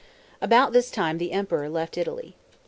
About this time the emperor left Italy.